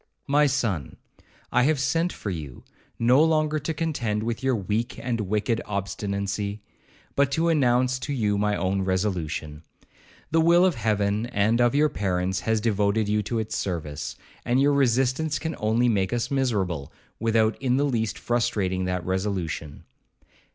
'My son, I have sent for you, no longer to contend with your weak and wicked obstinacy, but to announce to you my own resolution. The will of Heaven and of your parents has devoted you to its service, and your resistance can only make us miserable, without in the least frustrating that resolution.'